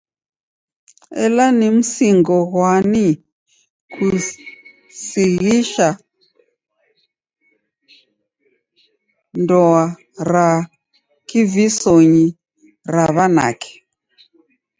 Ela ni msigo ghwani kusighisha ndoa ra kivisonyi ra w'anake?